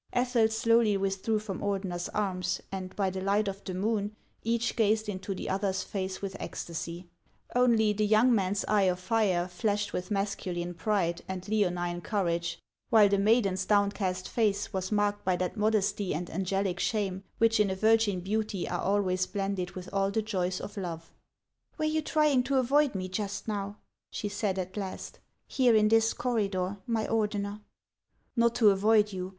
Ethel slowly withdrew from Ordeuer's arms, and by the light of the moon each gazed into the other's face with ecstasy ; only, the young man's eye of fire flashed with masculine pride and leonine courage, while the maiden's downcast face was marked by that modesty and angelic shame which in a virgin beauty are always blended with all the joys of love. "Were you trying to avoid me just now," she said at last, " here in this corridor, my Ordeuer ?"" Xot to avoid you.